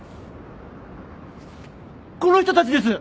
この人たちです。